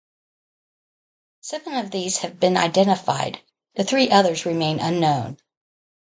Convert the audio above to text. Seven of these have been identified; the three others remain unknown.